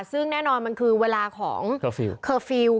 ซึ่งแน่นอนมันคือเวลาของเคอร์ฟิลล์